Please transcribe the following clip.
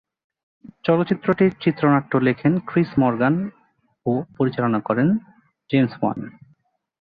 চলচ্চিত্রটির চিত্রনাট্য লেখেন ক্রিস মর্গান ও পরিচালনা করেন জেমস ওয়ান।